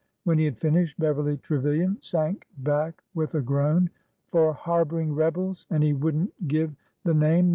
When he had finished, Beverly Trevilian sank back with a groan. " For harboring rebels ! And he would n't give the name